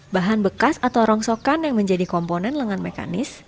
bahan bekas atau rongsokan yang menjadi komponen lengan mekanis